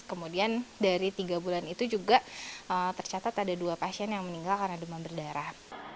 kemudian dari tiga bulan itu juga tercatat ada dua pasien yang meninggal karena demam berdarah